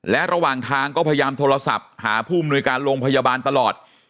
และระหว่างทางก็พยายามโทรศัพท์หาผู้มนุยการโรงพยาบาลตลอด